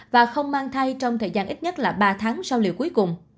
và không mang thai trong thời gian ít nhất là ba tháng sau liệu cuối cùng